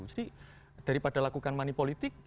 jadi daripada lakukan money politik